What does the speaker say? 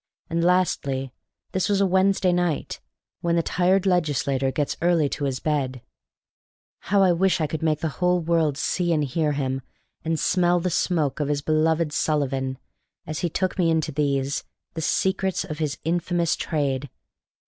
And lastly, this was a Wednesday night, when the tired legislator gets early to his bed. How I wish I could make the whole world see and hear him, and smell the smoke of his beloved Sullivan, as he took me into these, the secrets of his infamous trade!